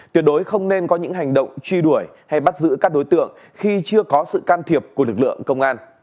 tuyệt đối không nên có những hành động truy đuổi hay bắt giữ các đối tượng khi chưa có sự can thiệp của lực lượng công an